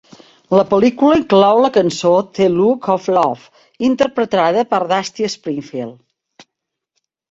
La pel·lícula inclou la cançó "The Look of Love" interpretada per Dusty Springfield.